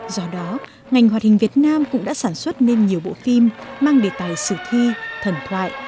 do đó ngành hoạt hình việt nam cũng đã sản xuất nên nhiều bộ phim mang đề tài sử thi thần thoại